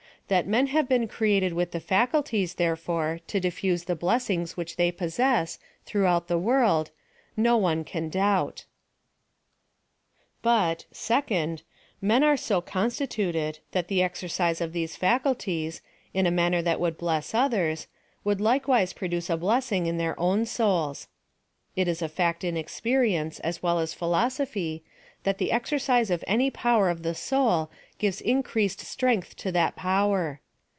Thai men have been created with the faculties, therefore, to diffuse the blessings which tliey possess, through out the world, no one can doubt. But, second, men are so constituted, that the ex ercise of these faculties, in a manner that would bless others, would likewise produce a blessing in their own souls. It is a fact in experience, as well as philosophy, that the exercise of any power of the soul, gives increased strength to that power.